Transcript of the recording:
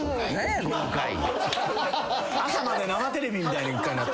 『朝まで生テレビ！』みたいに一回なって。